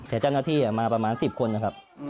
แต่เจ้าหน้าที่มาประมาณ๑๐คนนะครับ